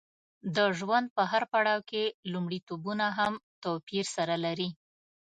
د ژوند په هر پړاو کې لومړیتوبونه هم توپیر سره لري.